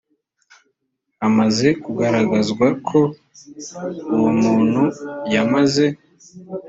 hamaze kugaragazwa ko uwo muntu yamaze